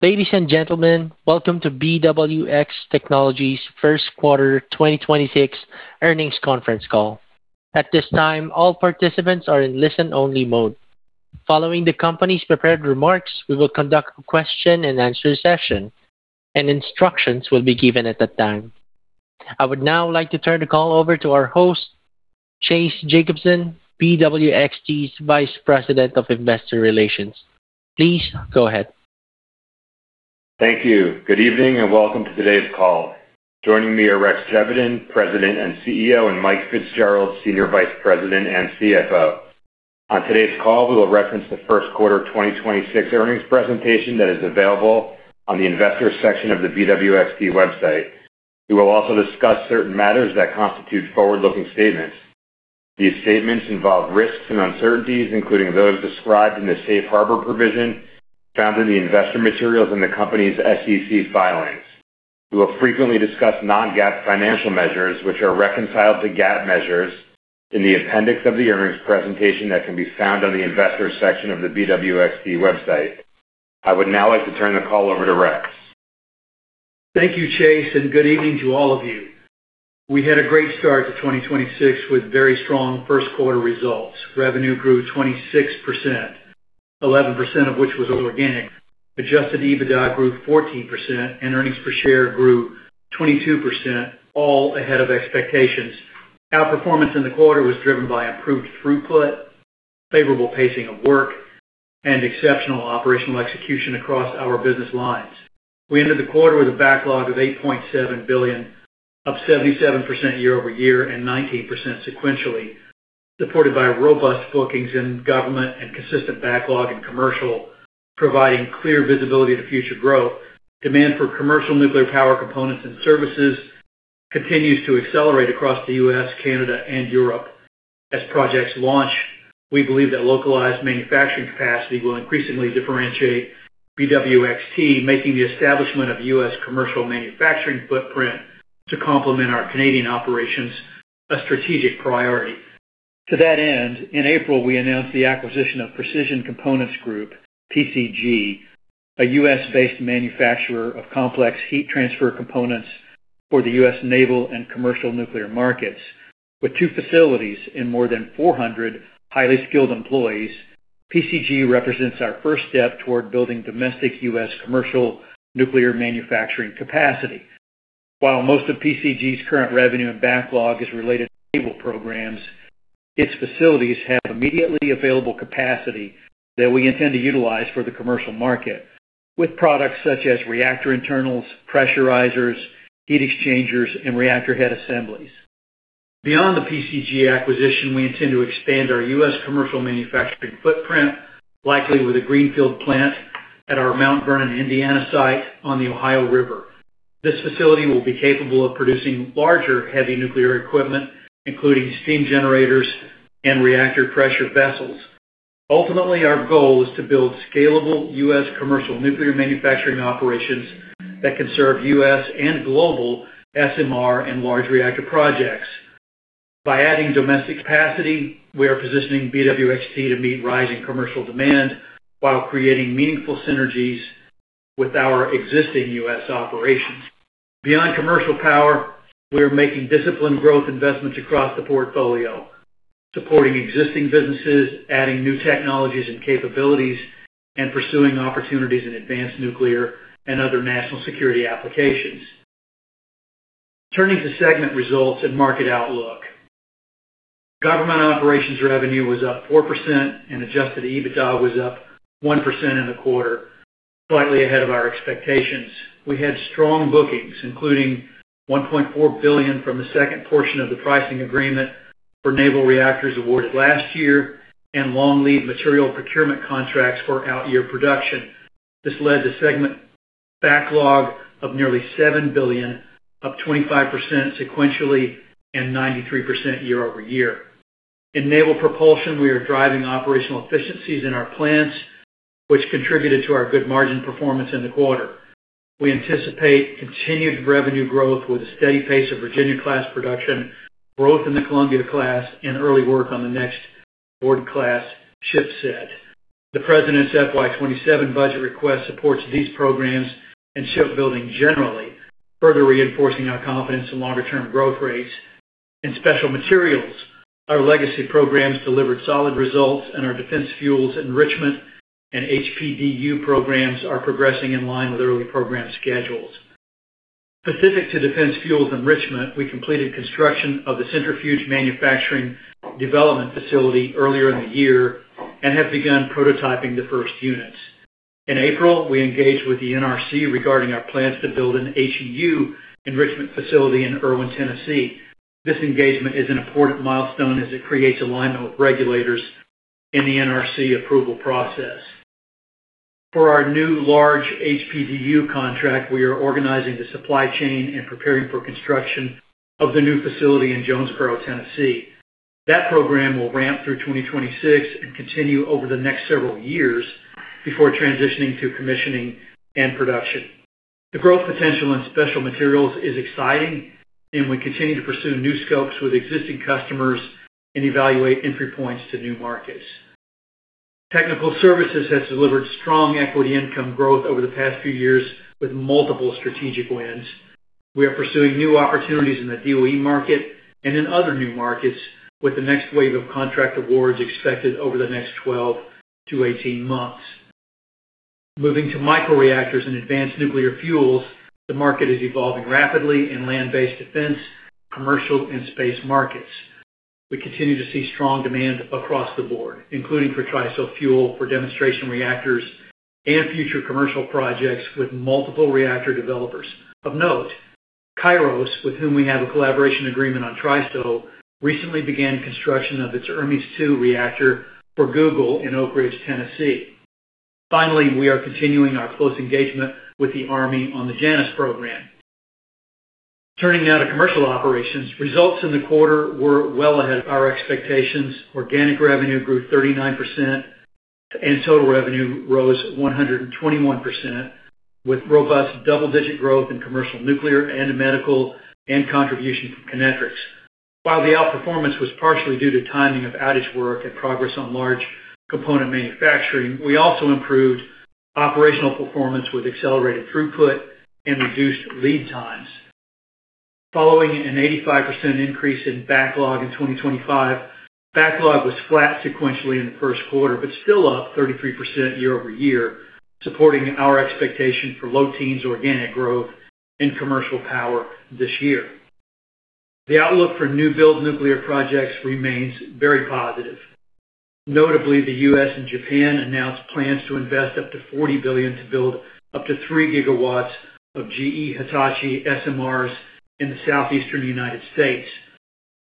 Ladies and gentlemen, welcome to BWX Technologies' first quarter 2026 earnings conference call. At this time, all participants are in listen-only mode. Following the company's prepared remarks, we will conduct a question-and-answer session, and instructions will be given at that time. I would now like to turn the call over to our host, Chase Jacobson, BWXT's Vice President of Investor Relations. Please go ahead. Thank you. Good evening, welcome to today's call. Joining me are Rex Geveden, President and CEO, and Mike Fitzgerald, Senior Vice President and CFO. On today's call, we will reference the first quarter 2026 earnings presentation that is available on the Investors section of the BWXT website. We will also discuss certain matters that constitute forward-looking statements. These statements involve risks and uncertainties, including those described in the safe harbor provision found in the investor materials in the company's SEC filings. We will frequently discuss non-GAAP financial measures, which are reconciled to GAAP measures in the appendix of the earnings presentation that can be found on the Investors section of the BWXT website. I would now like to turn the call over to Rex. Thank you, Chase, and good evening to all of you. We had a great start to 2026 with very strong first quarter results. Revenue grew 26%, 11% of which was organic. Adjusted EBITDA grew 14%, and earnings per share grew 22%, all ahead of expectations. Our performance in the quarter was driven by improved throughput, favorable pacing of work, and exceptional operational execution across our business lines. We ended the quarter with a backlog of $8.7 billion, up 77% year-over-year and 19% sequentially, supported by robust bookings in government and consistent backlog in commercial, providing clear visibility to future growth. Demand for commercial nuclear power components and services continues to accelerate across the U.S., Canada, and Europe. As projects launch, we believe that localized manufacturing capacity will increasingly differentiate BWXT, making the establishment of U.S. commercial manufacturing footprint to complement our Canadian operations a strategic priority. To that end, in April, we announced the acquisition of Precision Components Group, PCG, a U.S.-based manufacturer of complex heat transfer components for the U.S. naval and commercial nuclear markets. With two facilities and more than 400 highly skilled employees, PCG represents our first step toward building domestic U.S. commercial nuclear manufacturing capacity. While most of PCG's current revenue and backlog is related to naval programs, its facilities have immediately available capacity that we intend to utilize for the commercial market with products such as reactor internals, pressurizers, heat exchangers, and reactor head assemblies. Beyond the PCG acquisition, we intend to expand our U.S. commercial manufacturing footprint, likely with a greenfield plant at our Mount Vernon, Indiana site on the Ohio River. This facility will be capable of producing larger heavy nuclear equipment, including steam generators and reactor pressure vessels. Ultimately, our goal is to build scalable U.S. commercial nuclear manufacturing operations that can serve U.S. and global SMR and large reactor projects. By adding domestic capacity, we are positioning BWXT to meet rising commercial demand while creating meaningful synergies with our existing U.S. operations. Beyond commercial power, we are making disciplined growth investments across the portfolio, supporting existing businesses, adding new technologies and capabilities, and pursuing opportunities in advanced nuclear and other national security applications. Turning to segment results and market outlook. Government operations revenue was up 4% and adjusted EBITDA was up 1% in the quarter, slightly ahead of our expectations. We had strong bookings, including $1.4 billion from the second portion of the pricing agreement for Naval Reactors awarded last year and long lead material procurement contracts for out-year production. This led to segment backlog of nearly $7 billion, up 25% sequentially and 93% year-over-year. In naval propulsion, we are driving operational efficiencies in our plants, which contributed to our good margin performance in the quarter. We anticipate continued revenue growth with a steady pace of Virginia-class production, growth in the Columbia-class, and early work on the next Ford-class ship set. The President's FY 2027 budget request supports these programs and shipbuilding generally, further reinforcing our confidence in longer-term growth rates. In special materials, our legacy programs delivered solid results, and our defense fuels enrichment and HPDU programs are progressing in line with early program schedules. Specific to defense fuels enrichment, we completed construction of the centrifuge manufacturing development facility earlier in the year and have begun prototyping the first units. In April, we engaged with the NRC regarding our plans to build an HEU enrichment facility in Erwin, Tennessee. This engagement is an important milestone as it creates alignment with regulators in the NRC approval process. For our new large HPDU contract, we are organizing the supply chain and preparing for construction of the new facility in Jonesborough, Tennessee. That program will ramp through 2026 and continue over the next several years before transitioning to commissioning and production. The growth potential in special materials is exciting, and we continue to pursue new scopes with existing customers and evaluate entry points to new markets. Technical Services has delivered strong equity income growth over the past few years with multiple strategic wins. We are pursuing new opportunities in the DOE market and in other new markets, with the next wave of contract awards expected over the next 12 to 18 months. Moving to micro reactors and advanced nuclear fuels, the market is evolving rapidly in land-based defense, commercial, and space markets. We continue to see strong demand across the board, including for TRISO fuel, for demonstration reactors and future commercial projects with multiple reactor developers. Of note, Kairos, with whom we have a collaboration agreement on TRISO, recently began construction of its Hermes 2 reactor for Google in Oak Ridge, Tennessee. Finally, we are continuing our close engagement with the Army on the Janus Program. Turning now to commercial operations. Results in the quarter were well ahead of our expectations. Organic revenue grew 39% and total revenue rose 121%, with robust double-digit growth in commercial, nuclear, and medical, and contribution from Kinectrics. While the outperformance was partially due to timing of outage work and progress on large component manufacturing, we also improved operational performance with accelerated throughput and reduced lead times. Following an 85% increase in backlog in 2025, backlog was flat sequentially in the first quarter, but still up 33% year-over-year, supporting our expectation for low teens organic growth in commercial power this year. The outlook for new build nuclear projects remains very positive. Notably, the U.S. and Japan announced plans to invest up to $40 billion to build up to 3 GW of GE Hitachi SMRs in the southeastern United States.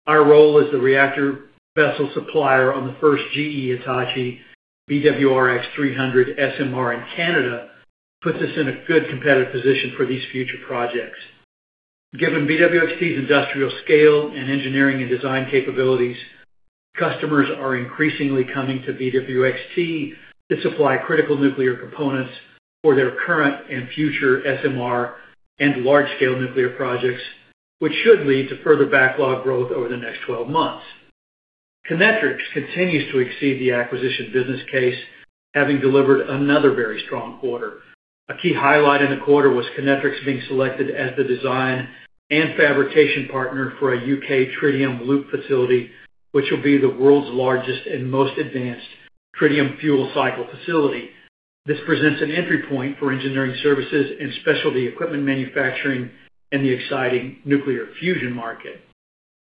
Our role as the reactor vessel supplier on the first GE Hitachi BWRX-300 SMR in Canada puts us in a good competitive position for these future projects. Given BWXT's industrial scale and engineering and design capabilities, customers are increasingly coming to BWXT to supply critical nuclear components for their current and future SMR and large-scale nuclear projects, which should lead to further backlog growth over the next 12 months. Kinectrics continues to exceed the acquisition business case, having delivered another very strong quarter. A key highlight in the quarter was Kinectrics being selected as the design and fabrication partner for a U.K. tritium loop facility, which will be the world's largest and most advanced tritium fuel cycle facility. This presents an entry point for engineering services and specialty equipment manufacturing in the exciting nuclear fusion market.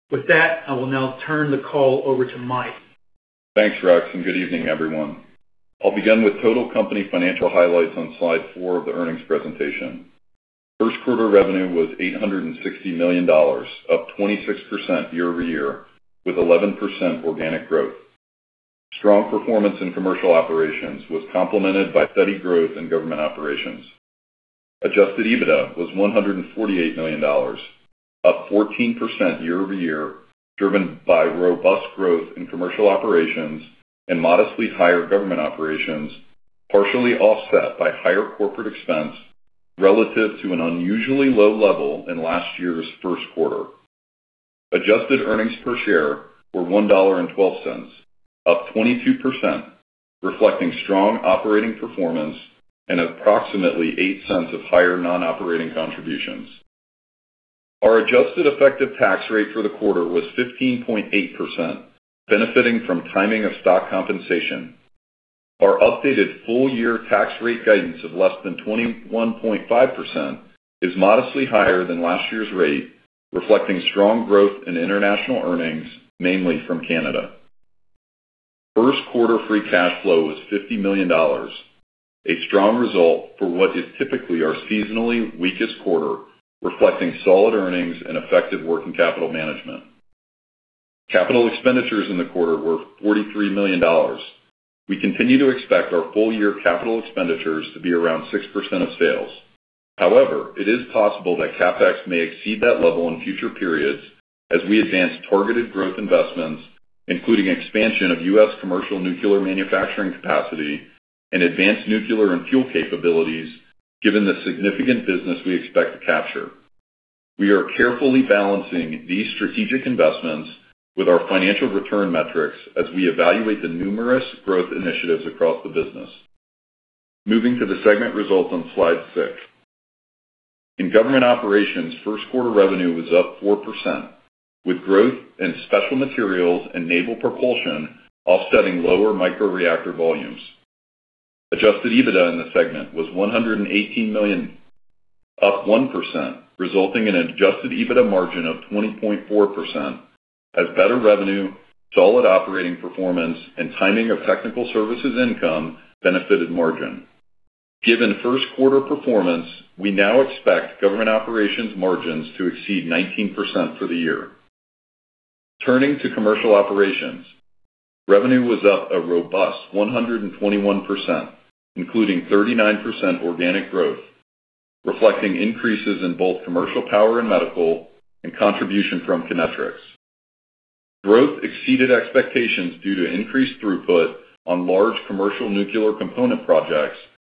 With that, I will now turn the call over to Mike. Thanks, Rex. Good evening, everyone. I'll begin with total company financial highlights on slide four of the earnings presentation. First quarter revenue was $860 million, up 26% year-over-year, with 11% organic growth. Strong performance in commercial operations was complemented by steady growth in government operations. Adjusted EBITDA was $148 million, up 14% year-over-year, driven by robust growth in commercial operations and modestly higher government operations, partially offset by higher corporate expense relative to an unusually low level in last year's first quarter. Adjusted earnings per share were $1.12, up 22%, reflecting strong operating performance and approximately $0.08 of higher non-operating contributions. Our adjusted effective tax rate for the quarter was 15.8%, benefiting from timing of stock compensation. Our updated full-year tax rate guidance of less than 21.5% is modestly higher than last year's rate, reflecting strong growth in international earnings, mainly from Canada. First quarter free cash flow was $50 million, a strong result for what is typically our seasonally weakest quarter, reflecting solid earnings and effective working capital management. Capital expenditures in the quarter were $43 million. We continue to expect our full-year capital expenditures to be around 6% of sales. However, it is possible that CapEx may exceed that level in future periods as we advance targeted growth investments, including expansion of U.S. commercial nuclear manufacturing capacity and advanced nuclear and fuel capabilities, given the significant business we expect to capture. We are carefully balancing these strategic investments with our financial return metrics as we evaluate the numerous growth initiatives across the business. Moving to the segment results on slide six. In Government Operations, first quarter revenue was up 4%, with growth in special materials and naval propulsion offsetting lower micro reactor volumes. Adjusted EBITDA in the segment was $118 million, up 1%, resulting in an adjusted EBITDA margin of 20.4% as better revenue, solid operating performance, and timing of technical services income benefited margin. Given first quarter performance, we now expect Government Operations margins to exceed 19% for the year. Turning to Commercial Operations. Revenue was up a robust 121%, including 39% organic growth, reflecting increases in both commercial power and medical and contribution from Kinectrics. Growth exceeded expectations due to increased throughput on large commercial nuclear component projects,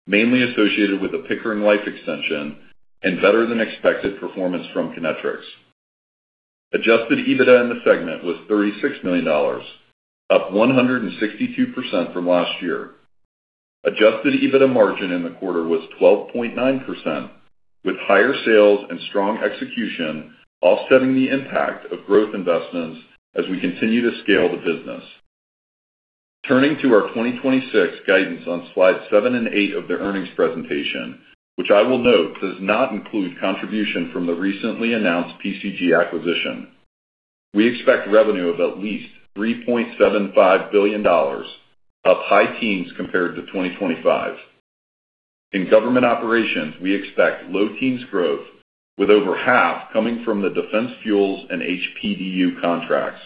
mainly associated with the Pickering Life Extension and better than expected performance from Kinectrics. Adjusted EBITDA in the segment was $36 million, up 162% from last year. Adjusted EBITDA margin in the quarter was 12.9%, with higher sales and strong execution offsetting the impact of growth investments as we continue to scale the business. Turning to our 2026 guidance on slide seven and eight of the earnings presentation, which I will note does not include contribution from the recently announced PCG acquisition. We expect revenue of at least $3.75 billion, up high teens compared to 2025. In government operations, we expect low teens growth, with over half coming from the defense fuels and HPDU contracts.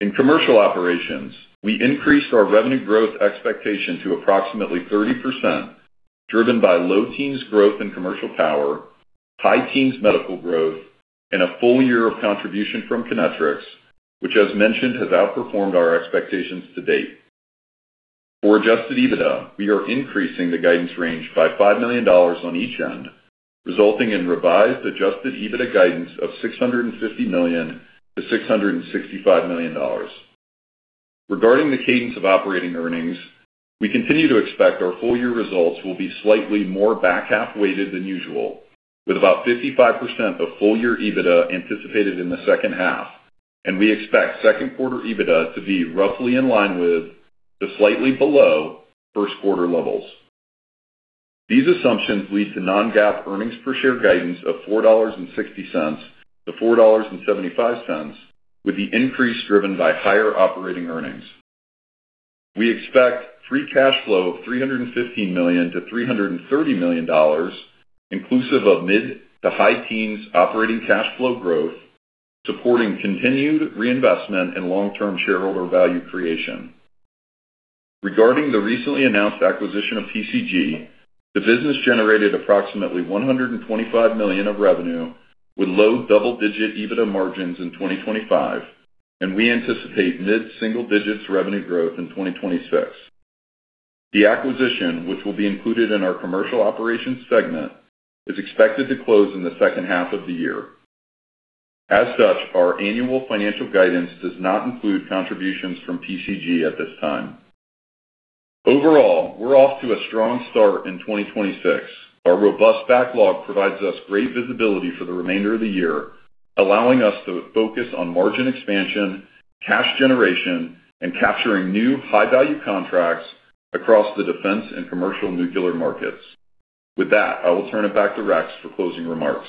In commercial operations, we increased our revenue growth expectation to approximately 30%, driven by low teens growth in commercial power, high teens medical growth, and a full year of contribution from Kinectrics, which as mentioned, has outperformed our expectations to date. For adjusted EBITDA, we are increasing the guidance range by $5 million on each end, resulting in revised adjusted EBITDA guidance of $650 million-$665 million. Regarding the cadence of operating earnings, we continue to expect our full year results will be slightly more back half weighted than usual, with about 55% of full year EBITDA anticipated in the second half, and we expect second quarter EBITDA to be roughly in line with the slightly below first quarter levels. These assumptions lead to non-GAAP earnings per share guidance of $4.60-$4.75, with the increase driven by higher operating earnings. We expect free cash flow of $315 million-$330 million, inclusive of mid to high teens operating cash flow growth, supporting continued reinvestment in long-term shareholder value creation. Regarding the recently announced acquisition of PCG, the business generated approximately $125 million of revenue with low double-digit EBITDA margins in 2025, and we anticipate mid single digits revenue growth in 2026. The acquisition, which will be included in our Commercial Operations segment, is expected to close in the second half of the year. As such, our annual financial guidance does not include contributions from PCG at this time. Overall, we're off to a strong start in 2026. Our robust backlog provides us great visibility for the remainder of the year, allowing us to focus on margin expansion, cash generation, and capturing new high-value contracts across the defense and commercial nuclear markets. With that, I will turn it back to Rex for closing remarks.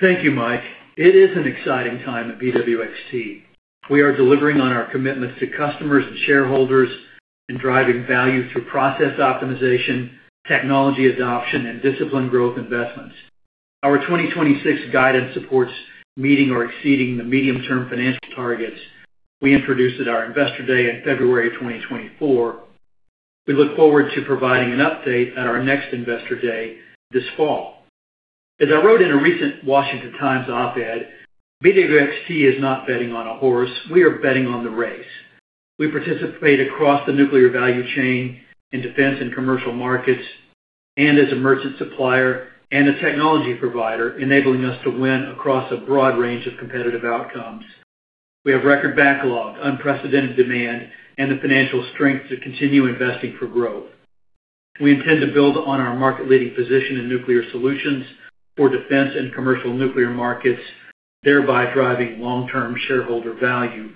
Thank you, Mike. It is an exciting time at BWXT. We are delivering on our commitments to customers and shareholders and driving value through process optimization, technology adoption, and disciplined growth investments. Our 2026 guidance supports meeting or exceeding the medium-term financial targets we introduced at our Investor Day in February of 2024. We look forward to providing an update at our next Investor Day this fall. As I wrote in a recent The Washington Times op-ed, "BWXT is not betting on a horse, we are betting on the race." We participate across the nuclear value chain in defense and commercial markets and as a merchant supplier and a technology provider, enabling us to win across a broad range of competitive outcomes. We have record backlog, unprecedented demand, and the financial strength to continue investing for growth. We intend to build on our market-leading position in nuclear solutions for defense and commercial nuclear markets, thereby driving long-term shareholder value.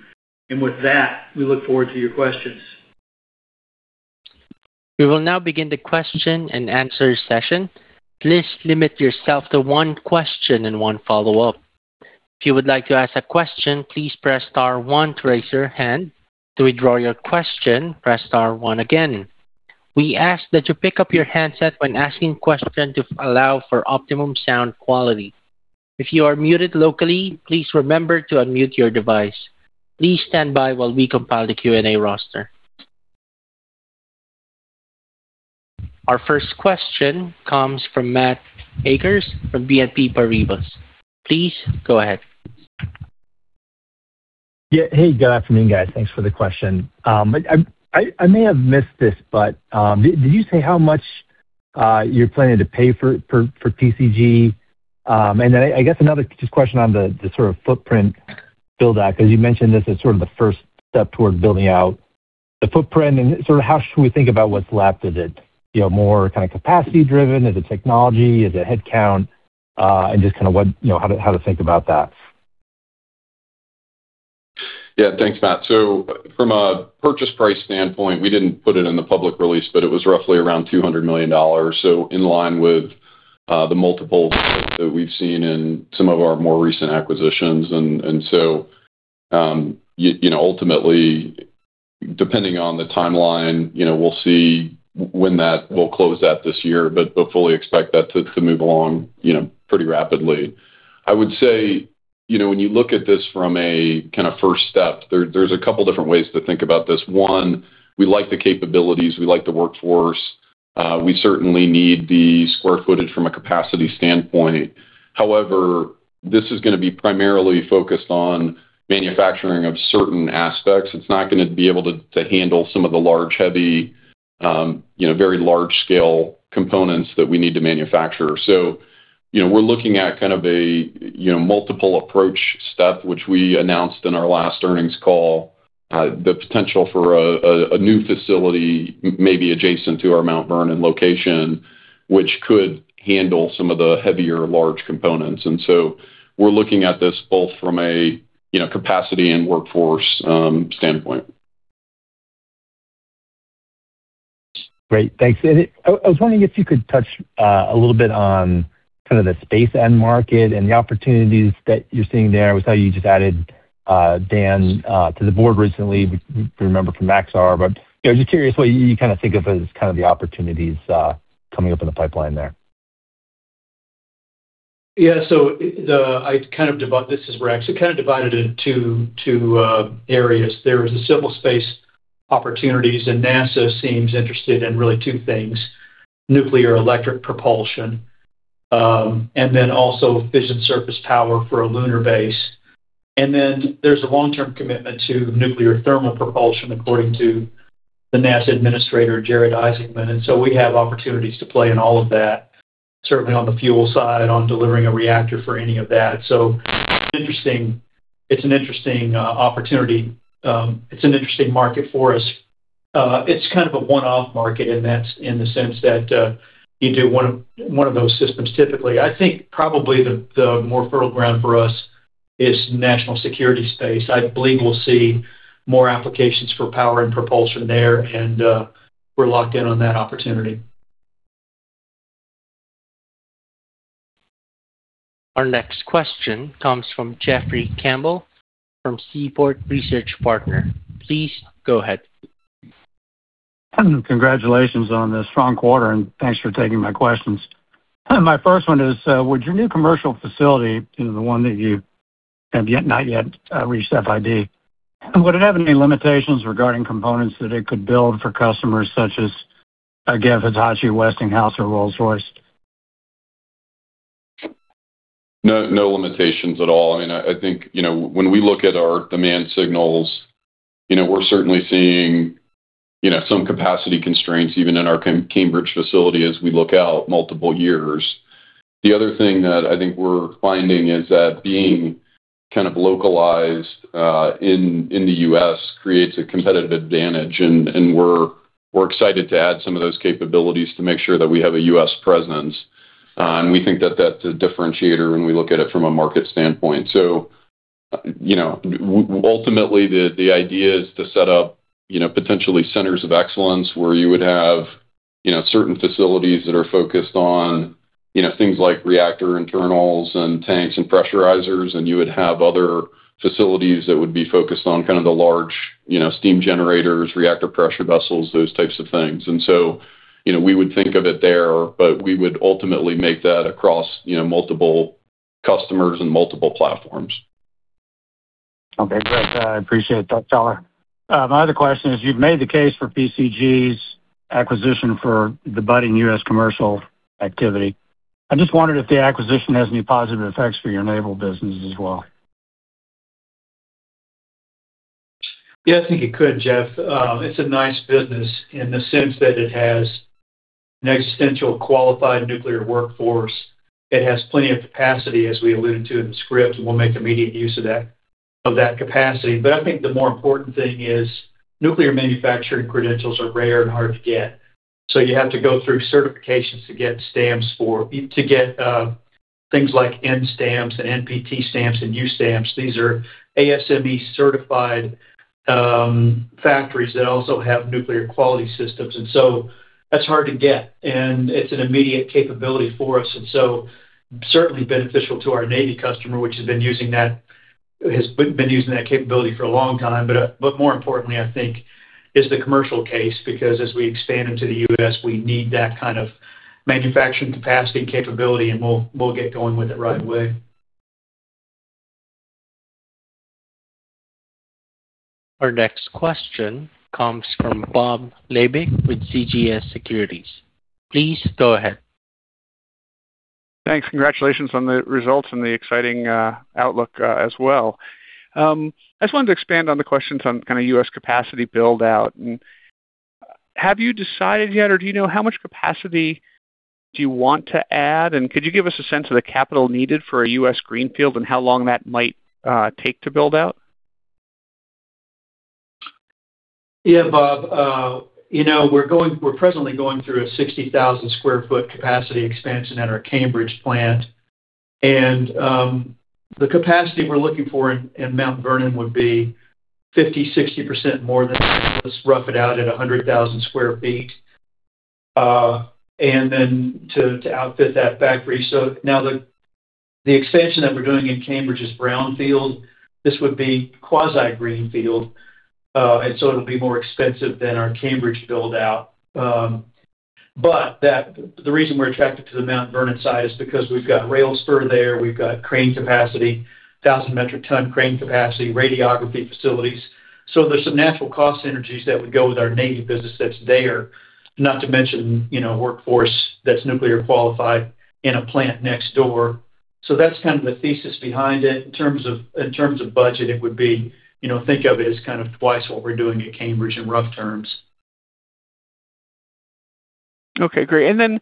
With that, we look forward to your questions. We will now begin the question and answer session. Please limit yourself to one question and one follow-up. If you would like to ask a question, please press star one to raise your hand. To withdraw your question, press star one again. We ask that you pick up your handset when asking question to allow for optimum sound quality. If you are muted locally, please remember to unmute your device. Please stand by while we compile the Q&A roster. Our first question comes from Matt Akers from BNP Paribas. Please go ahead. Yeah. Hey, good afternoon, guys. Thanks for the question. I may have missed this, did you say how much you're planning to pay for PCG? I guess another just question on the sort of footprint build out, 'cause you mentioned this as sort of the first step toward building out the footprint and sort of how should we think about what's left? Is it, you know, more kind of capacity driven? Is it technology? Is it headcount? Just kinda what, you know, how to think about that? Yeah, thanks, Matt. From a purchase price standpoint, we didn't put it in the public release, but it was roughly around $200 million. In line with the multiples that we've seen in some of our more recent acquisitions. You know, ultimately, depending on the timeline, you know, we'll see when that will close that this year, but hopefully expect that to move along, you know, pretty rapidly. I would say, you know, when you look at this from a kinda first step, there's a couple different ways to think about this. One, we like the capabilities, we like the workforce. We certainly need the square footage from a capacity standpoint. However, this is gonna be primarily focused on manufacturing of certain aspects. It's not gonna be able to handle some of the large, heavy, you know, very large scale components that we need to manufacture. You know, we're looking at kind of a, you know, multiple approach step, which we announced in our last earnings call. The potential for a new facility maybe adjacent to our Mount Vernon location, which could handle some of the heavier large components. We're looking at this both from a, you know, capacity and workforce standpoint. Great. Thanks. I was wondering if you could touch a little bit on kind of the space end market and the opportunities that you're seeing there. We saw you just added Dan to the board recently, we remember from Maxar. You know, just curious what you kind of think of as kind of the opportunities coming up in the pipeline there? Yeah. This is Rex. I kind of divide it into two areas. There is the civil space opportunities, and NASA seems interested in really two things: nuclear electric propulsion, and then also fission surface power for a lunar base. There's a long-term commitment to nuclear thermal propulsion, according to the NASA administrator, Jared Isaacman. We have opportunities to play in all of that, certainly on the fuel side, on delivering a reactor for any of that. Interesting. It's an interesting opportunity. It's an interesting market for us. It's kind of a one-off market, and that's in the sense that you do one of those systems, typically. I think probably the more fertile ground for us is national security space. I believe we'll see more applications for power and propulsion there, and we're locked in on that opportunity. Our next question comes from Jeffrey Campbell from Seaport Research Partners. Please go ahead. Congratulations on the strong quarter, thanks for taking my questions. My first one is, would your new commercial facility, you know, the one that you have not yet reached FID, would it have any limitations regarding components that it could build for customers such as, again, Hitachi, Westinghouse, or Rolls-Royce? No, no limitations at all. I mean, I think, you know, when we look at our demand signals, you know, we're certainly seeing, you know, some capacity constraints even in our Cambridge facility as we look out multiple years. The other thing that I think we're finding is that being kind of localized in the U.S. creates a competitive advantage, and we're excited to add some of those capabilities to make sure that we have a U.S. presence. We think that that's a differentiator when we look at it from a market standpoint. You know, ultimately, the idea is to set up, you know, potentially centers of excellence where you would have, you know, certain facilities that are focused on, you know, things like reactor internals and tanks and pressurizers, and you would have other facilities that would be focused on kind of the large, you know, steam generators, reactor pressure vessels, those types of things. You know, we would think of it there, but we would ultimately make that across, you know, multiple customers and multiple platforms. Okay, great. I appreciate it that color. My other question is, you've made the case for PCG's acquisition for the budding U.S. commercial activity. I just wondered if the acquisition has any positive effects for your naval business as well. Yeah, I think it could, Jeff. It's a nice business in the sense that it has an existential qualified nuclear workforce. It has plenty of capacity, as we alluded to in the script, we'll make immediate use of that capacity. I think the more important thing is nuclear manufacturing credentials are rare and hard to get. You have to go through certifications to get things like N stamps and NPT stamps and U stamps. These are ASME-certified factories that also have nuclear quality systems. That's hard to get, and it's an immediate capability for us. Certainly beneficial to our Navy customer, which has been using that capability for a long time. More importantly, I think is the commercial case because as we expand into the U.S., we need that kind of manufacturing capacity and capability, and we'll get going with it right away. Our next question comes from Bob Labick with CJS Securities. Please go ahead. Thanks. Congratulations on the results and the exciting outlook as well. I just wanted to expand on the questions on kind of U.S. capacity build out. Have you decided yet, or do you know how much capacity do you want to add, and could you give us a sense of the capital needed for a U.S. greenfield and how long that might take to build out? Yeah, Bob. you know, we're presently going through a 60,000 sq ft capacity expansion at our Cambridge plant. The capacity we're looking for in Mount Vernon would be 50%-60% more than this, rough it out at 100,000 sq ft, then to outfit that factory. The expansion that we're doing in Cambridge is brownfield. This would be quasi greenfield, it'll be more expensive than our Cambridge build out. The reason we're attracted to the Mount Vernon site is because we've got rail spur there, we've got crane capacity, 1,000 metric ton crane capacity, radiography facilities. There's some natural cost synergies that would go with our Navy business that's there, not to mention, you know, workforce that's nuclear qualified in a plant next door. That's kind of the thesis behind it. In terms of, in terms of budget, it would be, you know, think of it as kind of twice what we're doing at Cambridge in rough terms. Okay, great. Then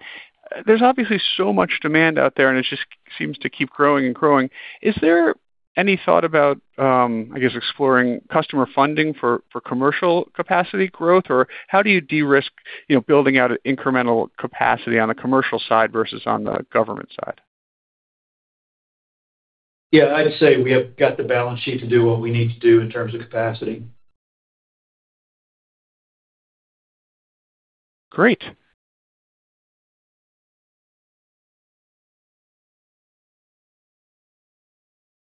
there's obviously so much demand out there, and it just seems to keep growing and growing. Is there any thought about, I guess, exploring customer funding for commercial capacity growth? Or how do you de-risk, you know, building out an incremental capacity on the commercial side versus on the government side? Yeah. I'd say we have got the balance sheet to do what we need to do in terms of capacity. Great.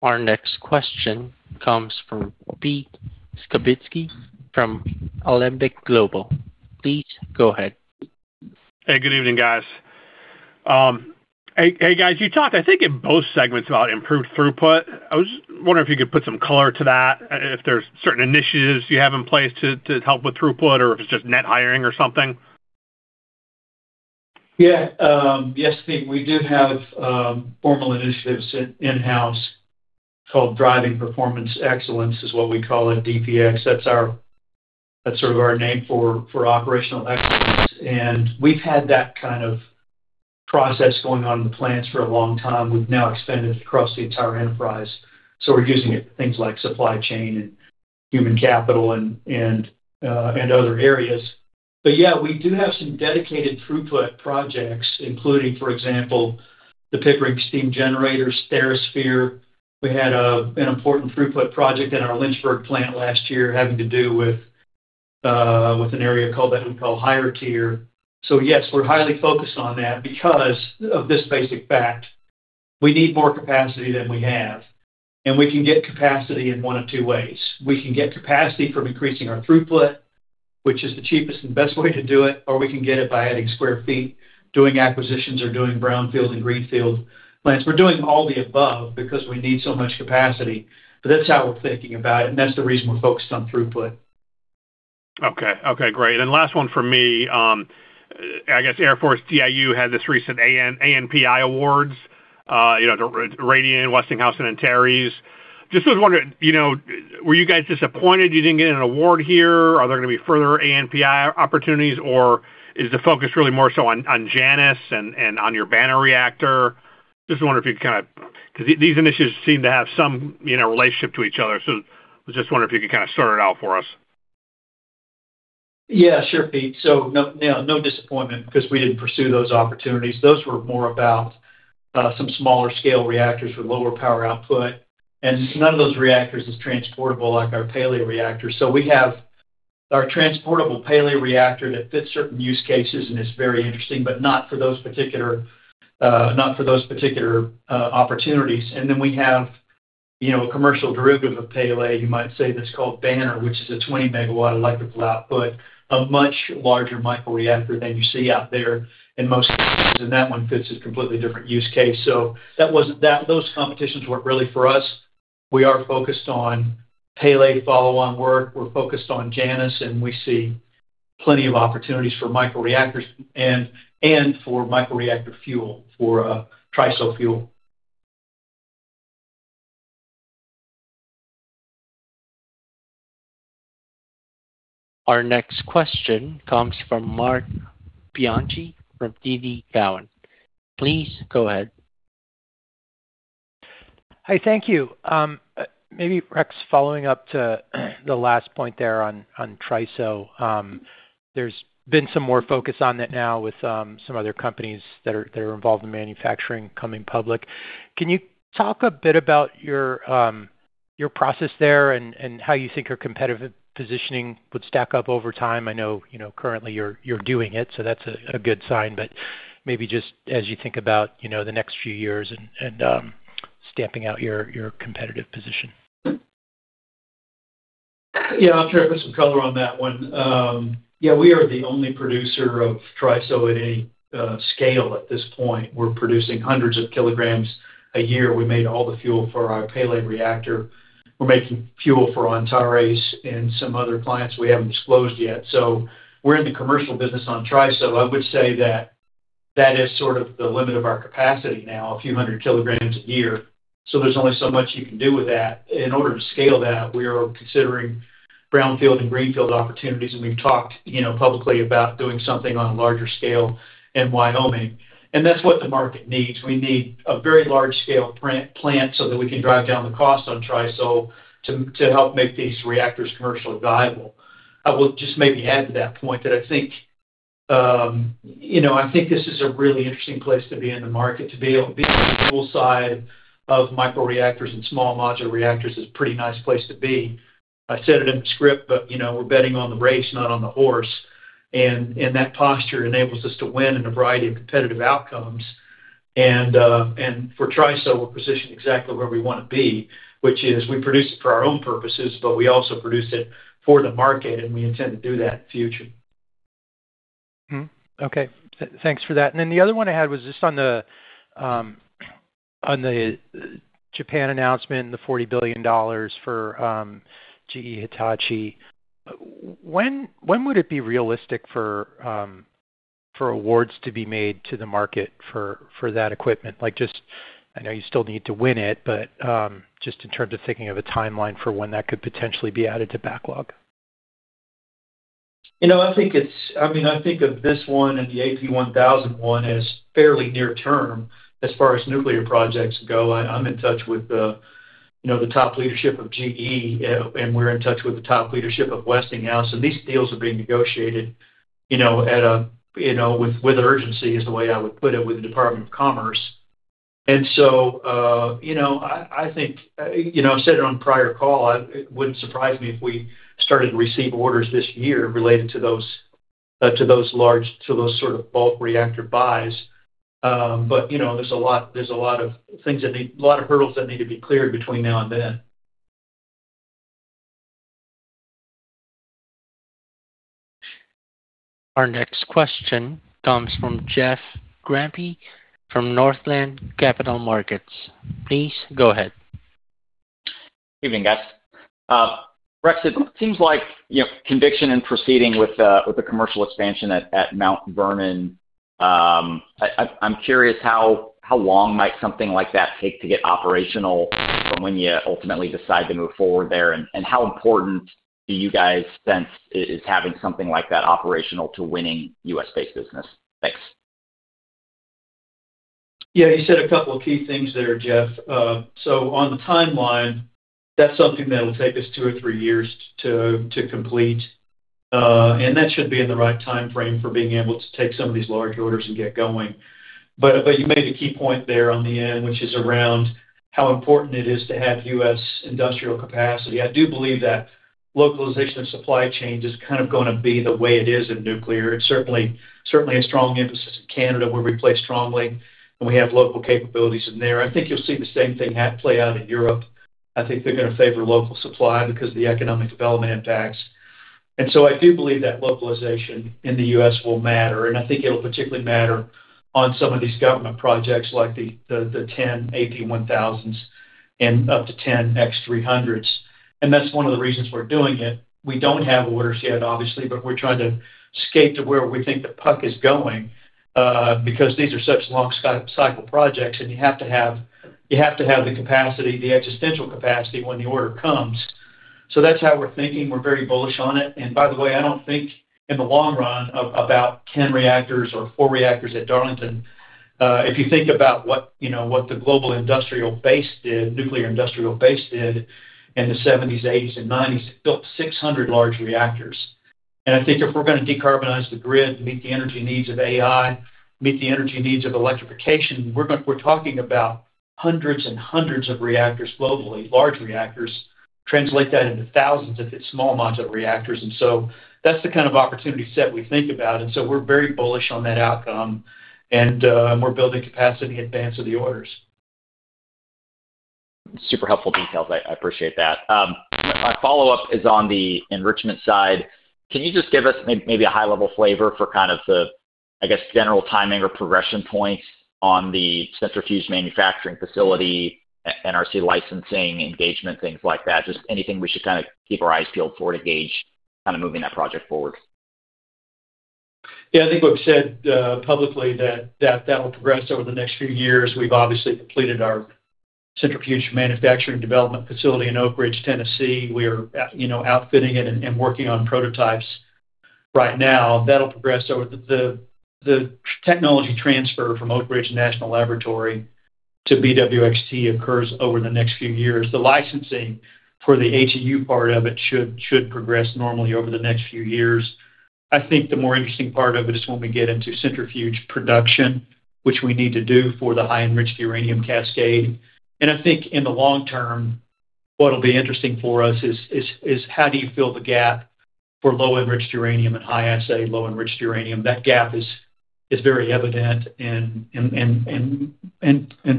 Our next question comes from Pete Skibitski from Alembic Global. Pete, go ahead. Hey, good evening, guys. Hey, guys. You talked, I think, in both segments about improved throughput. I was just wondering if you could put some color to that, if there's certain initiatives you have in place to help with throughput or if it's just net hiring or something? Yeah. Yes, Pete, we do have formal initiatives in-house called Driving Performance Excellence, is what we call it, DPX. That's sort of our name for operational excellence. We've had that kind of process going on in the plants for a long time. We've now extended it across the entire enterprise, so we're using it for things like supply chain and human capital and other areas. Yeah, we do have some dedicated throughput projects, including, for example, the Pickering steam generators, TheraSphere. We had an important throughput project in our Lynchburg plant last year having to do with an area that we call higher tier. Yes, we're highly focused on that because of this basic fact: we need more capacity than we have, and we can get capacity in one of two ways. We can get capacity from increasing our throughput, which is the cheapest and best way to do it, or we can get it by adding square feet, doing acquisitions or doing brownfield and greenfield plants. We're doing all the above because we need so much capacity. That's how we're thinking about it, and that's the reason we're focused on throughput. Okay. Okay, great. Last one from me. I guess Air Force DIU had this recent ANPI awards, you know, to Radian, Westinghouse, and Antares. Just wondering, you know, were you guys disappointed you didn't get an award here? Are there gonna be further ANPI opportunities, or is the focus really more so on Janus and on your BANR reactor? Just wondering if you could kind of, 'cause these initiatives seem to have some, you know, relationship to each other. I was just wondering if you could kind of sort it out for us. Yeah, sure, Pete. No, you know, no disappointment because we didn't pursue those opportunities. Those were more about some smaller scale reactors with lower power output, and none of those reactors is transportable like our Pele reactor. We have our transportable Pele reactor that fits certain use cases and is very interesting, but not for those particular opportunities. We have, you know, a commercial derivative of Pele, you might say, that's called BANR, which is a 20 MW electrical output, a much larger microreactor than you see out there in most cases. That one fits a completely different use case. Those competitions weren't really for us. We are focused on Pele follow-on work. We're focused on Janus, and we see plenty of opportunities for microreactors and for microreactor fuel for TRISO fuel. Our next question comes from Marc Bianchi from TD Cowen. Please go ahead. Hi. Thank you. Maybe, Rex, following up to the last point there on TRISO. There's been some more focus on that now with some other companies that are involved in manufacturing coming public. Can you talk a bit about your process there and how you think your competitive positioning would stack up over time? I know, you know, currently you're doing it, so that's a good sign. Maybe just as you think about, you know, the next few years and stamping out your competitive position. Yeah. I'll try to put some color on that one. Yeah, we are the only producer of TRISO at any scale at this point. We're producing hundreds of kilograms a year. We made all the fuel for our Pele reactor. We're making fuel for Antares and some other clients we haven't disclosed yet. We're in the commercial business on TRISO. I would say that that is sort of the limit of our capacity now, a few hundred kilograms a year. There's only so much you can do with that. In order to scale that, we are considering brownfield and greenfield opportunities, and we've talked, you know, publicly about doing something on a larger scale in Wyoming, and that's what the market needs. We need a very large-scale plant so that we can drive down the cost on TRISO to help make these reactors commercially viable. I will just maybe add to that point that I think, you know, this is a really interesting place to be in the market. To be on the fuel side of microreactors and small modular reactors is a pretty nice place to be. I said it in the script, you know, we're betting on the race, not on the horse. That posture enables us to win in a variety of competitive outcomes. For TRISO, we're positioned exactly where we wanna be, which is we produce it for our own purposes, but we also produce it for the market, and we intend to do that in the future. Mm-hmm. Okay. Thanks for that. The other one I had was just on the Japan announcement and the $40 billion for GE Hitachi. When would it be realistic for awards to be made to the market for that equipment? Like, just, I know you still need to win it, but just in terms of thinking of a timeline for when that could potentially be added to backlog. You know, I mean, I think of this one and the AP1000 as fairly near term as far as nuclear projects go. I'm in touch with the top leadership of GE, and we're in touch with the top leadership of Westinghouse, and these deals are being negotiated at a with urgency, is the way I would put it, with the Department of Commerce. I think, I said it on prior call, it wouldn't surprise me if we started to receive orders this year related to those large, to those sort of bulk reactor buys. You know, there's a lot, there's a lot of things that need a lot of hurdles that need to be cleared between now and then. Our next question comes from Jeff Grampp from Northland Capital Markets. Please go ahead. Evening, guys. Rex, it seems like, you know, conviction in proceeding with the commercial expansion at Mount Vernon, I'm curious how long might something like that take to get operational from when you ultimately decide to move forward there? And how important do you guys sense is having something like that operational to winning U.S.-based business? Thanks. You said a couple of key things there, Jeff. On the timeline, that's something that'll take us two or three years to complete. That should be in the right timeframe for being able to take some of these large orders and get going. But you made a key point there on the end, which is around how important it is to have U.S. industrial capacity. I do believe that localization of supply chain is kind of gonna be the way it is in nuclear. It's certainly a strong emphasis in Canada, where we play strongly, and we have local capabilities in there. I think you'll see the same thing play out in Europe. I think they're gonna favor local supply because of the economic development impacts. I do believe that localization in the U.S. will matter, and I think it'll particularly matter on some of these government projects like the 10 AP1000s and up to 10 BWRX-300s. That's one of the reasons we're doing it. We don't have orders yet, obviously, but we're trying to skate to where we think the puck is going because these are such long cycle projects, and you have to have the capacity, the existential capacity when the order comes. That's how we're thinking. We're very bullish on it. By the way, I don't think in the long run about 10 reactors or four reactors at Darlington. If you think about what, you know, what the global industrial base did, nuclear industrial base did in the 1970s, 1980s, and 1990s, it built 600 large reactors. I think if we're gonna decarbonize the grid to meet the energy needs of AI, meet the energy needs of electrification, we're talking about hundreds and hundreds of reactors globally. Large reactors translate that into thousands if it's small modular reactors. That's the kind of opportunity set we think about. We're very bullish on that outcome and we're building capacity in advance of the orders. Super helpful details. I appreciate that. My follow-up is on the enrichment side. Can you just give us maybe a high-level flavor for kind of the, I guess, general timing or progression points on the centrifuge manufacturing facility, NRC licensing, engagement, things like that? Just anything we should kind of keep our eyes peeled for to gauge kind of moving that project forward. Yeah. I think we've said publicly that that'll progress over the next few years. We've obviously completed our centrifuge manufacturing development facility in Oak Ridge, Tennessee. We're, you know, outfitting it and working on prototypes right now. That'll progress over the technology transfer from Oak Ridge National Laboratory to BWXT occurs over the next few years. The licensing for the HEU part of it should progress normally over the next few years. I think the more interesting part of it is when we get into centrifuge production, which we need to do for the high enriched uranium cascade. I think in the long term, what'll be interesting for us is how do you fill the gap for low enriched uranium and high assay low enriched uranium. That gap is very evident and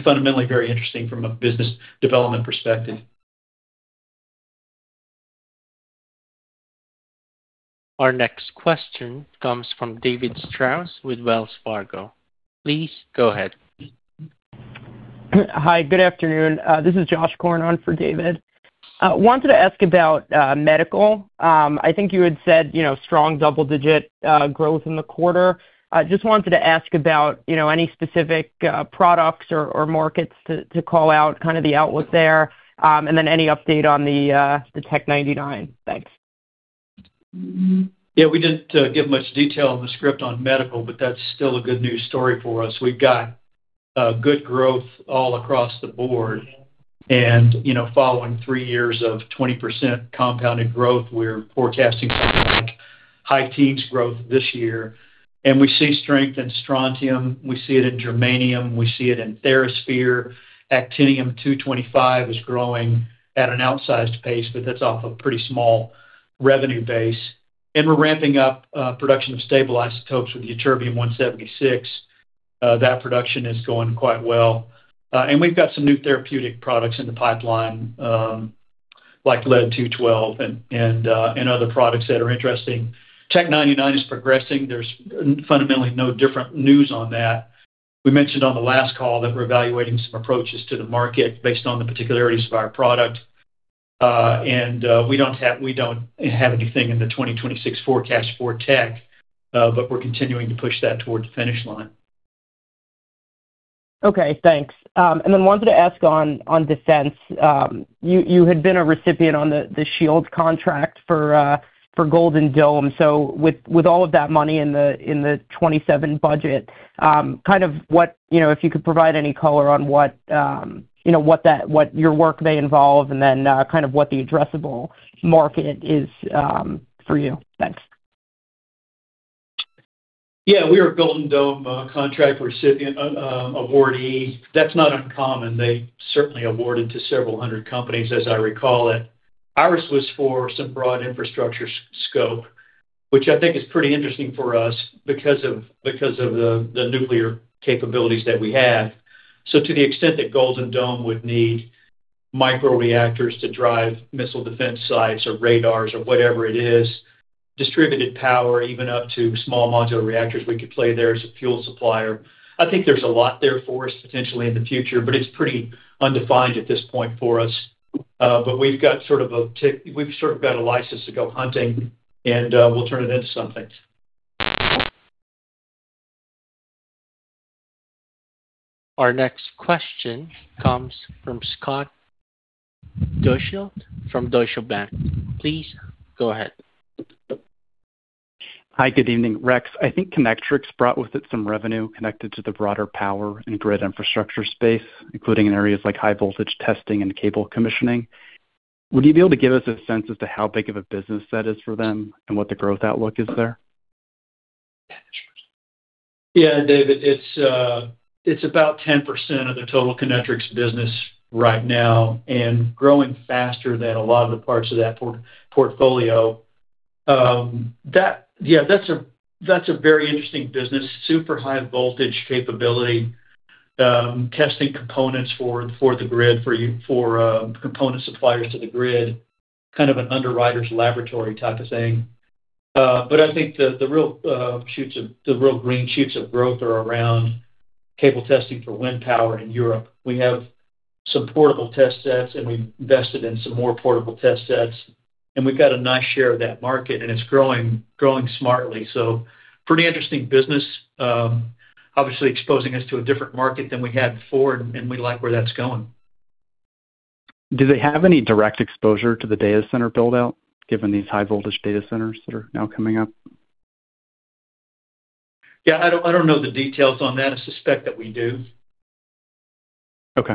fundamentally very interesting from a business development perspective. Our next question comes from David Strauss with Wells Fargo. Please go ahead. Hi, good afternoon. This is Josh Cohen on for David. Wanted to ask about medical. I think you had said, you know, strong double-digit growth in the quarter. Just wanted to ask about, you know, any specific products or markets to call out kind of the outlook there, and then any update on the Tc-99m. Thanks. Yeah. We didn't give much detail in the script on medical, but that's still a good news story for us. We've got good growth all across the board and, you know, following three years of 20% compounded growth, we're forecasting something like high teens growth this year. We see strength in Strontium, we see it in Germanium, we see it in TheraSphere. Actinium-225 is growing at an outsized pace, but that's off a pretty small revenue base. We're ramping up production of stable isotopes with Ytterbium-176. That production is going quite well. We've got some new therapeutic products in the pipeline, like Lead-212 and other products that are interesting. Tc-99m is progressing. There's fundamentally no different news on that. We mentioned on the last call that we're evaluating some approaches to the market based on the particularities of our product. We don't have anything in the 2026 forecast for tech, but we're continuing to push that towards the finish line. Okay, thanks. Then wanted to ask on defense. You had been a recipient on the SHIELD contract for Golden Dome. With all of that money in the 2027 budget, kind of what, you know, if you could provide any color on what, you know, what your work may involve and then, kind of what the addressable market is for you. Thanks. We are Golden Dome contract recipient, awardee. That's not uncommon. They certainly awarded to several 100 companies, as I recall it. Ours was for some broad infrastructure scope, which I think is pretty interesting for us because of the nuclear capabilities that we have. To the extent that Golden Dome would need micro reactors to drive missile defense sites or radars or whatever it is, distributed power, even up to small modular reactors, we could play there as a fuel supplier. I think there's a lot there for us potentially in the future, it's pretty undefined at this point for us. We've sort of got a license to go hunting, we'll turn it into something. Our next question comes from Scott Deuschle from Deutsche Bank. Please go ahead. Hi, good evening. Rex, I think Kinectrics brought with it some revenue connected to the broader power and grid infrastructure space, including in areas like high voltage testing and cable commissioning. Would you be able to give us a sense as to how big of a business that is for them and what the growth outlook is there? Yeah, David, it's about 10% of the total Kinectrics business right now and growing faster than a lot of the parts of that portfolio. Yeah, that's a, that's a very interesting business. Super high voltage capability, testing components for the grid, for component suppliers to the grid, kind of an underwriter's laboratory type of thing. I think the real green shoots of growth are around cable testing for wind power in Europe. We have some portable test sets, and we've invested in some more portable test sets, and we've got a nice share of that market, and it's growing smartly. Pretty interesting business, obviously exposing us to a different market than we had before, and we like where that's going. Do they have any direct exposure to the data center build-out, given these high voltage data centers that are now coming up? Yeah, I don't, I don't know the details on that. I suspect that we do. Okay.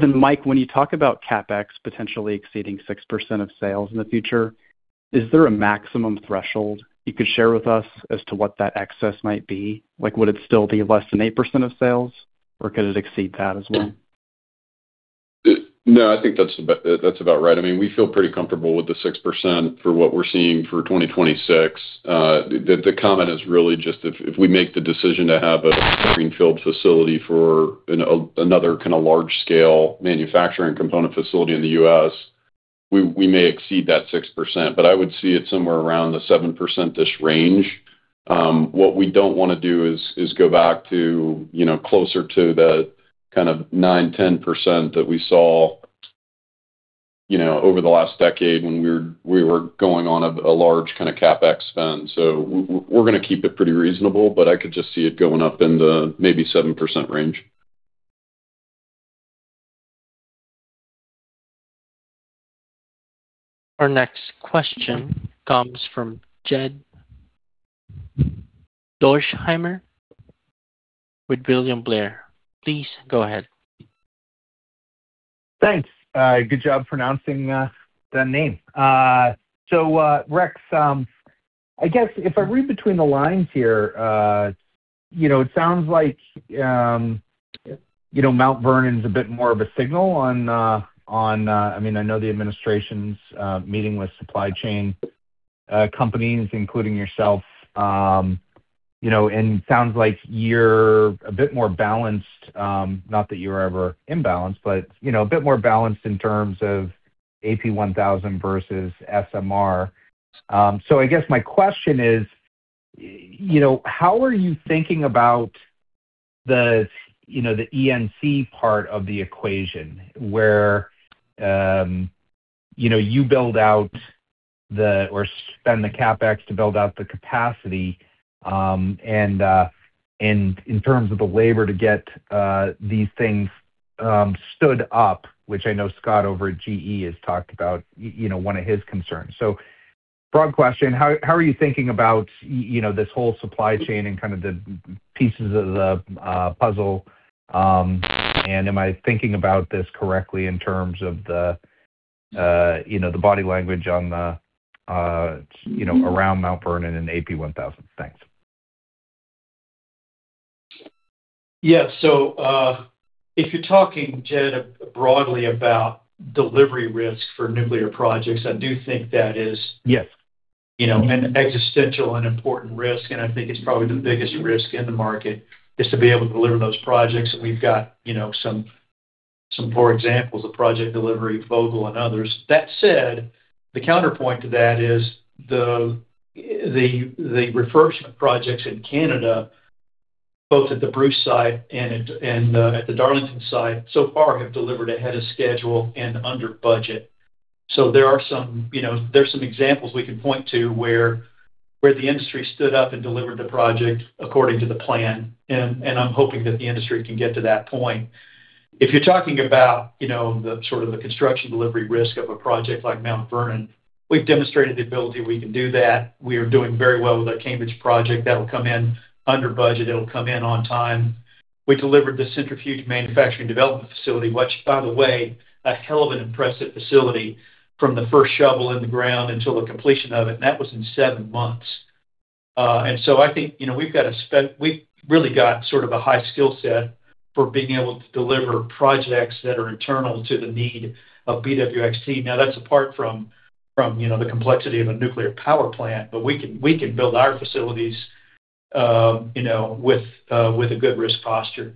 Mike, when you talk about CapEx potentially exceeding 6% of sales in the future, is there a maximum threshold you could share with us as to what that excess might be? Like, would it still be less than 8% of sales or could it exceed that as well? No, I think that's about, that's about right. I mean, we feel pretty comfortable with the 6% for what we're seeing for 2026. The comment is really just if we make the decision to have a greenfield facility for another kinda large scale manufacturing component facility in the U.S., we may exceed that 6%. I would see it somewhere around the 7%-ish range. What we don't wanna do is go back to, you know, closer to the kind of 9%-10% that we saw, you know, over the last decade when we were going on a large kinda CapEx spend. We're gonna keep it pretty reasonable, but I could just see it going up in the maybe 7% range. Our next question comes from Jed Dorsheimer with William Blair. Please go ahead. Thanks. Good job pronouncing that name. Rex, I guess if I read between the lines here, you know, it sounds like, you know, Mount Vernon's a bit more of a signal on. I mean, I know the administration's meeting with supply chain companies, including yourself. Sounds like you're a bit more balanced, not that you were ever imbalanced, but, you know, a bit more balanced in terms of AP1000 versus SMR. I guess my question is, you know, how are you thinking about the, you know, the EPC part of the equation where, you know, you build out or spend the CapEx to build out the capacity, and in terms of the labor to get these things stood up, which I know Scott over at GE has talked about, you know, one of his concerns. Broad question, how are you thinking about, you know, this whole supply chain and kind of the pieces of the puzzle? Am I thinking about this correctly in terms of the, you know, the body language on the, you know, around Mount Vernon and AP1000? Thanks. Yeah. If you're talking, Jed, broadly about delivery risk for nuclear projects, I do think that is. Yes You know, an existential and important risk, and I think it's probably the biggest risk in the market, is to be able to deliver those projects. We've got, you know, some poor examples of project delivery, Vogtle and others. That said, the counterpoint to that is the, the refurbishment projects in Canada, both at the Bruce site and at, and at the Darlington site, so far have delivered ahead of schedule and under budget. There are some, you know, there are some examples we can point to where the industry stood up and delivered the project according to the plan. I'm hoping that the industry can get to that point. If you're talking about, you know, the sort of the construction delivery risk of a project like Mount Vernon, we've demonstrated the ability we can do that. We are doing very well with our Cambridge project. That'll come in under budget. It'll come in on time. We delivered the centrifuge manufacturing development facility, which, by the way, a hell of an impressive facility from the first shovel in the ground until the completion of it, and that was in seven months. I think, you know, we've really got sort of a high skill set for being able to deliver projects that are internal to the need of BWXT. Now, that's apart from, you know, the complexity of a nuclear power plant. We can build our facilities, you know, with a good risk posture.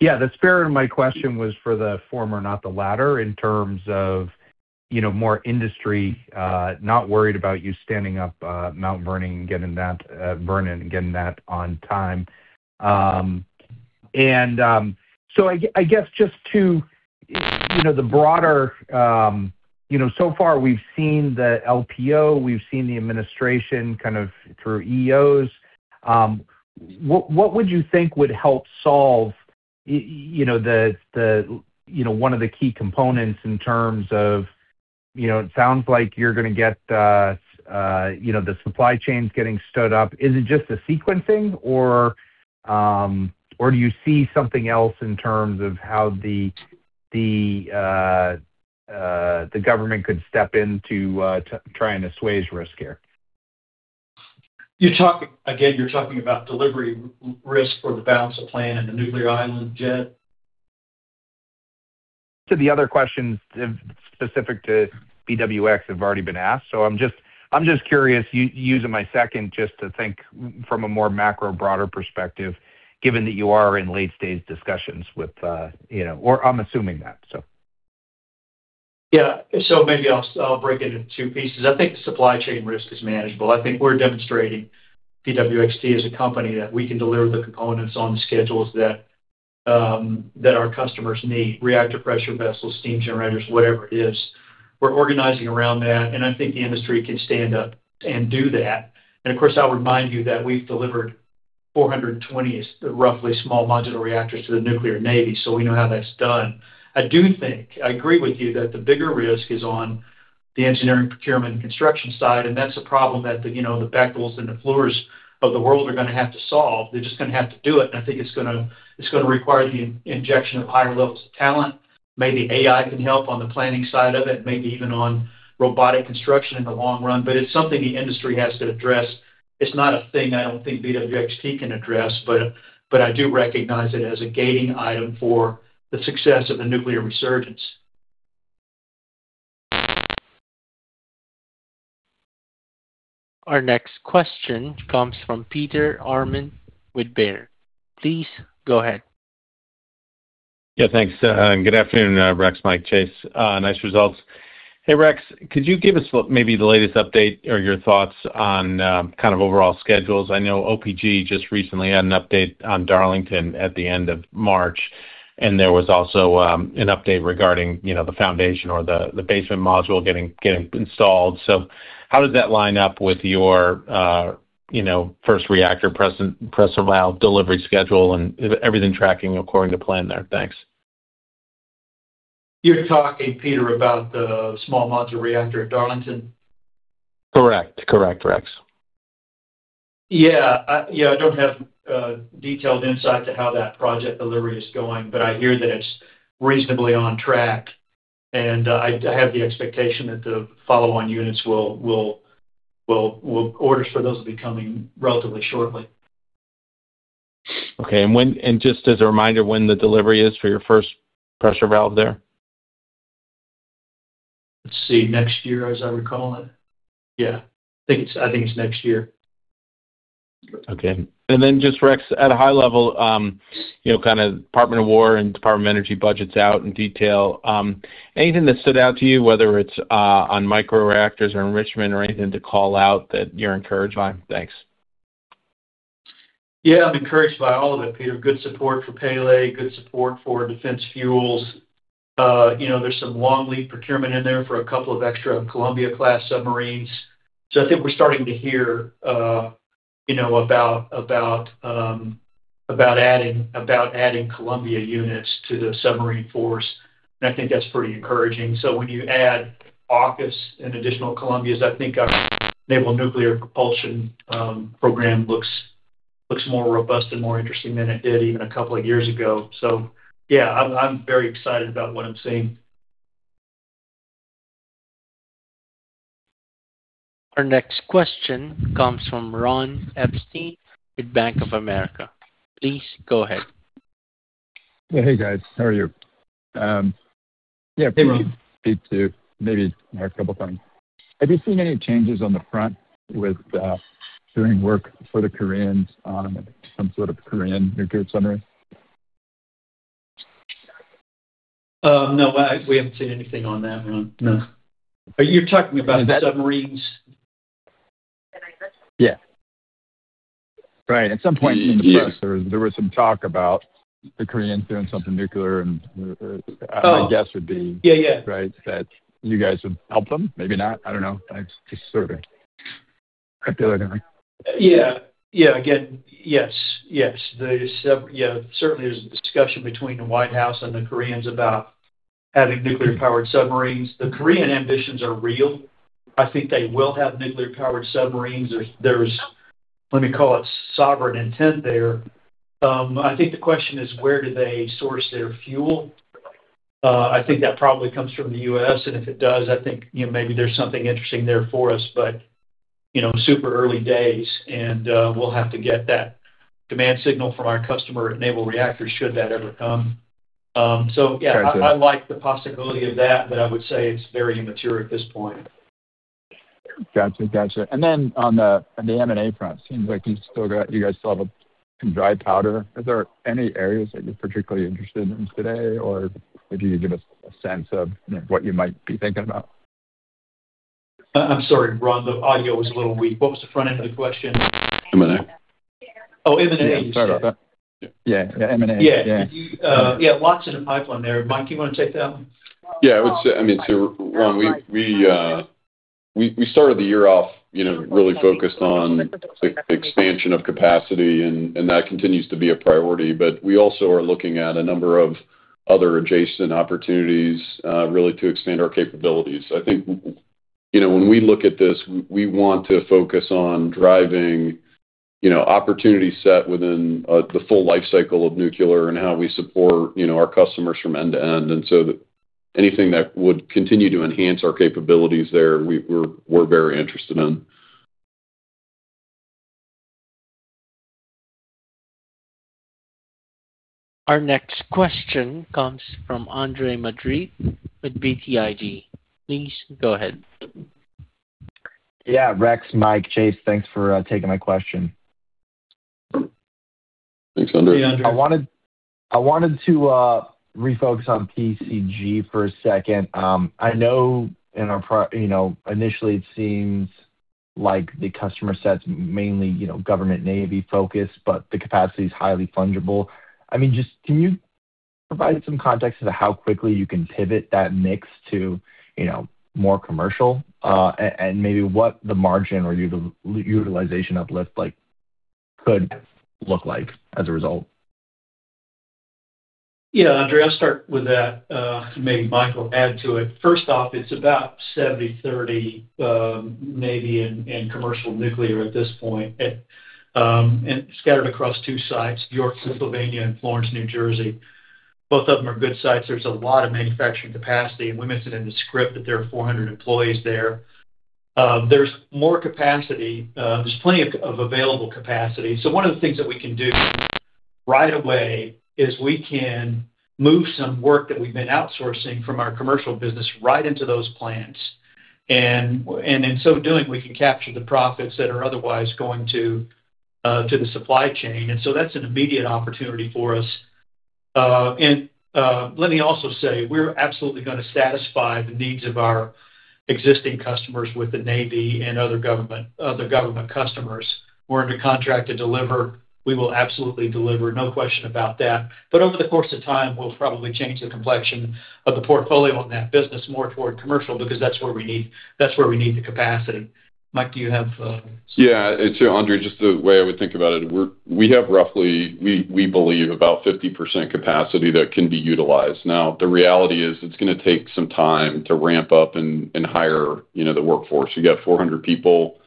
Yeah. The spirit of my question was for the former, not the latter, in terms of, you know, more industry, not worried about you standing up Mount Vernon and getting that on time. I guess just to, you know, the broader, you know, so far we've seen the LPO, we've seen the administration kind of through EOs. What would you think would help solve, you know, the, you know, one of the key components in terms of, you know, it sounds like you're gonna get, the supply chains getting stood up. Is it just the sequencing or do you see something else in terms of how the, the government could step in to try and assuage risk here? Again, you're talking about delivery risk for the balance of plant and the nuclear island, Jed? To the other questions specific to BWX have already been asked. I'm just curious, using my second just to think from a more macro, broader perspective, given that you are in late-stage discussions with, you know, or I'm assuming that. Maybe I'll break it into two pieces. I think the supply chain risk is manageable. I think we're demonstrating BWXT as a company that we can deliver the components on the schedules that our customers need. Reactor pressure vessels, steam generators, whatever it is. We're organizing around that, and I think the industry can stand up and do that. I'll remind you that we've delivered 420, roughly, small modular reactors to the Nuclear Navy, so we know how that's done. I do think, I agree with you that the bigger risk is on the engineering, procurement, and construction side, and that's a problem that the, you know, the Bechtels and the Fluors of the world are gonna have to solve. They're just gonna have to do it. I think it's gonna require the injection of higher levels of talent. Maybe AI can help on the planning side of it, maybe even on robotic construction in the long run. It's something the industry has to address. It's not a thing I don't think BWXT can address, but I do recognize it as a gating item for the success of the nuclear resurgence. Our next question comes from Peter Arment with Baird. Please go ahead. Thanks. Good afternoon, Rex, Mike, Chase. Nice results. Hey, Rex, could you give us maybe the latest update or your thoughts on kind of overall schedules? I know OPG just recently had an update on Darlington at the end of March, and there was also an update regarding, you know, the foundation or the basement module getting installed. How does that line up with your, you know, first reactor pressure valve delivery schedule and everything tracking according to plan there? Thanks. You're talking, Peter, about the small modular reactor at Darlington? Correct. Correct, Rex. Yeah. Yeah, I don't have detailed insight to how that project delivery is going, but I hear that it's reasonably on track, and I have the expectation that the follow-on units orders for those will be coming relatively shortly. Okay. Just as a reminder, when the delivery is for your first pressure valve there? Let's see. Next year, as I recall it. Yeah. I think it's next year. Okay. Just, Rex, at a high level, you know, kind of Department of Defense and Department of Energy budgets out in detail, anything that stood out to you, whether it's on microreactors or enrichment or anything to call out that you're encouraged by? Thanks. Yeah. I'm encouraged by all of it, Peter. Good support for Pele. Good support for Defense Fuels. You know, there's some long lead procurement in there for couple extra Columbia-class submarines. I think we're starting to hear, you know, about adding Columbia units to the submarine force. I think that's pretty encouraging. When you add AUKUS and additional Columbias, I think our naval nuclear propulsion program looks more robust and more interesting than it did even couple a years ago. Yeah, I'm very excited about what I'm seeing. Our next question comes from Ron Epstein with Bank of America. Please go ahead. Well, hey guys, how are you? Yeah, maybe me too. Maybe a couple things. Have you seen any changes on the front with doing work for the Koreans on some sort of Korean nuclear submarine? No. We haven't seen anything on that one. No. Are you talking about submarines? Yeah. Right. At some point in the press, there was some talk about the Koreans doing something nuclear, and my guess would be- Yeah, yeah. Right. That you guys would help them. Maybe not, I don't know. Yeah. Yeah. Again, yes. Yes. Certainly there's a discussion between the White House and the Koreans about having nuclear powered submarines. The Korean ambitions are real. I think they will have nuclear powered submarines. There's, let me call it sovereign intent there. I think the question is, where do they source their fuel? I think that probably comes from the U.S., and if it does, I think, you know, maybe there's something interesting there for us. You know, super early days, and we'll have to get that demand signal from our customer at Naval Reactors should that ever come. Yeah, I like the possibility of that, but I would say it's very immature at this point. Gotcha. Gotcha. On the M&A front, seems like you guys still have some dry powder. Is there any areas that you're particularly interested in today? If you could give us a sense of, you know, what you might be thinking about. I'm sorry, Ron, the audio was a little weak. What was the front end of the question? M&A. Oh, M&A. Yeah. M&A. Yeah. yeah, lots in the pipeline there. Mike, you wanna take that one? Yeah. I would say, I mean, Ron, we started the year off, you know, really focused on the expansion of capacity, and that continues to be a priority. We also are looking at a number of other adjacent opportunities, really to expand our capabilities. I think, you know, when we look at this, we want to focus on driving, you know, opportunity set within the full life cycle of nuclear and how we support, you know, our customers from end to end. Anything that would continue to enhance our capabilities there, we're very interested in. Our next question comes from Andre Madrid with BTIG. Please go ahead. Yeah. Rex, Mike, Chase, thanks for taking my question. Thanks, Andre. Hey, Andre. I wanted to refocus on PCG for a second. I know in our you know, initially it seems like the customer set's mainly, you know, government Navy focused, but the capacity is highly fungible. I mean, just can you provide some context as to how quickly you can pivot that mix to, you know, more commercial? Maybe what the margin or utilization uplift, like, could look like as a result. Andre, I'll start with that. Maybe Michael add to it. First off, it's about 70/30 Navy and commercial nuclear at this point. Scattered across two sites, York, Pennsylvania and Florence, New Jersey. Both of them are good sites. There's a lot of manufacturing capacity, and we mentioned in the script that there are 400 employees there. There's more capacity. There's plenty of available capacity. One of the things that we can do right away is we can move some work that we've been outsourcing from our commercial business right into those plants. And in so doing, we can capture the profits that are otherwise going to the supply chain. That's an immediate opportunity for us. Let me also say, we're absolutely gonna satisfy the needs of our existing customers with the Navy and other government customers. We're under contract to deliver. We will absolutely deliver, no question about that. Over the course of time, we'll probably change the complexion of the portfolio on that business more toward commercial because that's where we need the capacity. Mike, do you have? Yeah. Andre, just the way I would think about it, we have roughly, we believe, about 50% capacity that can be utilized. Now, the reality is it's gonna take some time to ramp up and hire, you know, the workforce. You got 400 people.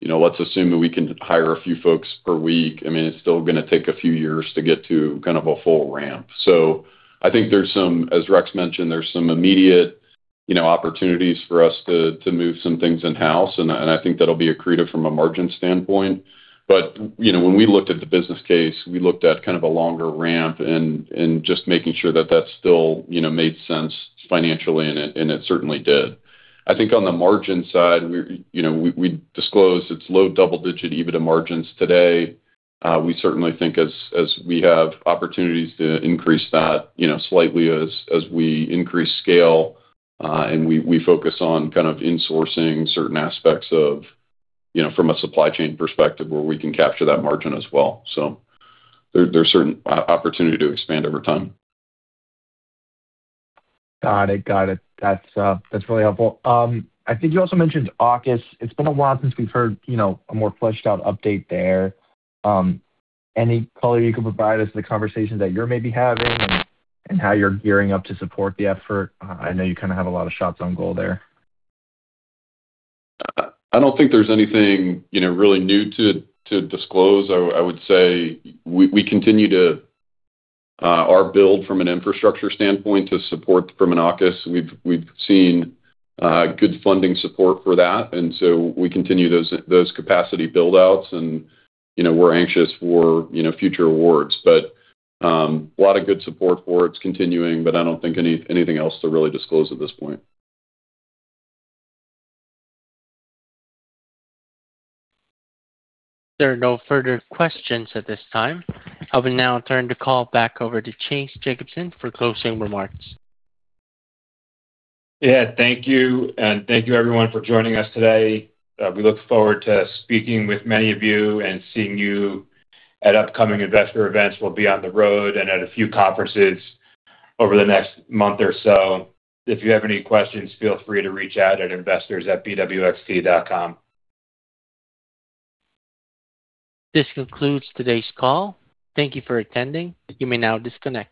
You know, let's assume that we can hire a few folks per week. I mean, it's still gonna take a few years to get to kind of a full ramp. I think there's some, as Rex mentioned, there's some immediate, you know, opportunities for us to move some things in-house, and I think that'll be accretive from a margin standpoint. You know, when we looked at the business case, we looked at kind of a longer ramp and just making sure that that still, you know, made sense financially, and it certainly did. I think on the margin side, you know, we disclosed it's low double-digit EBITDA margins today. We certainly think as we have opportunities to increase that, you know, slightly as we increase scale, and we focus on kind of insourcing certain aspects of, you know, from a supply chain perspective where we can capture that margin as well. There's certain opportunity to expand over time. Got it. Got it. That's really helpful. I think you also mentioned AUKUS. It's been a while since we've heard, you know, a more fleshed out update there. Any color you can provide us the conversations that you're maybe having and how you're gearing up to support the effort? I know you kinda have a lot of shots on goal there. I don't think there's anything, you know, really new to disclose. I would say we continue to our build from an infrastructure standpoint to support from an AUKUS. We've seen good funding support for that. We continue those capacity build-outs and, you know, we're anxious for, you know, future awards. A lot of good support for it's continuing, but I don't think anything else to really disclose at this point. There are no further questions at this time. I will now turn the call back over to Chase Jacobson for closing remarks. Yeah. Thank you. Thank you everyone for joining us today. We look forward to speaking with many of you and seeing you at upcoming investor events. We'll be on the road and at a few conferences over the next month or so. If you have any questions, feel free to reach out at investors@bwxt.com. This concludes today's call. Thank you for attending. You may now disconnect.